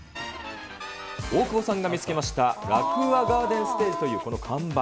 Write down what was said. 大久保さんが見つけましたラクーアガーデンステージというこの看板。